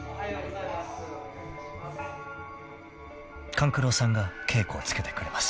［勘九郎さんが稽古をつけてくれます］